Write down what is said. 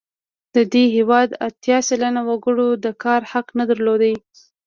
د دې هېواد اتیا سلنه وګړو د کار حق نه درلود.